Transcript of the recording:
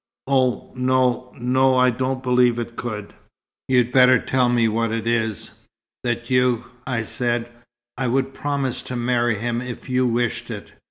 "Oh, no no, I don't believe it could." "You'd better tell me what it is." "That you I said, I would promise to marry him if you wished it.